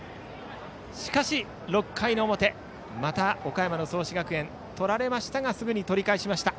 しかし、６回表また岡山の創志学園が取られましたがすぐに取り返しました。